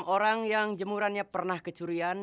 enam orang yang jemurannya pernah kecurian